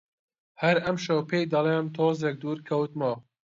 هەر ئەمشەو پێی دەڵێم، تۆزێک دوور کەوتمەوە